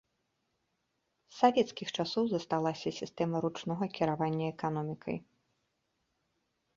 З савецкіх часоў засталася сістэма ручнога кіравання эканомікай.